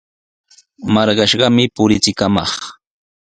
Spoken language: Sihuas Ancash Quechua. Marqashqami purichikamaq.